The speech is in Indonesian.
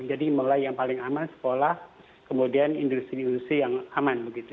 jadi mulai yang paling aman sekolah kemudian industri industri yang aman begitu